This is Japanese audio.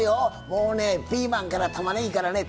もうねピーマンからたまねぎからね